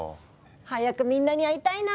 早くみんなに会いたいな。